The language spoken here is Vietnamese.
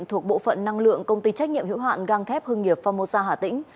thuộc bộ phận năng lượng công ty trách nhiệm hữu hạn găng khép hương nghiệp phomosa hà tĩnh